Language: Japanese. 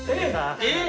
えっ！